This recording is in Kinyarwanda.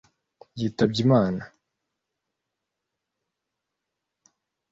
yitabye Imana